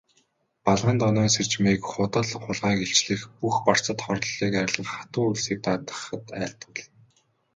Балгандонойн сэржмийг худал хулгайг илчлэх, бүх барцад хорлолыг арилгах, хатуу үйлсийг даатгахад айлтгуулна.